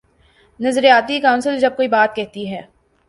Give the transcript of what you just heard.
نظریاتی کونسل جب کوئی بات کہتی ہے۔